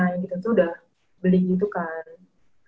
yang kita tuh udah beli gitu kan